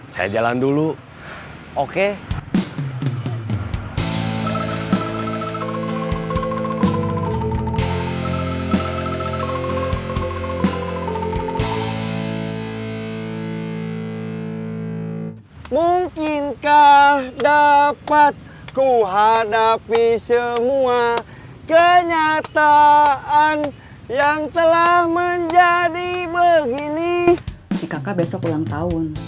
si kakak besok ulang tahun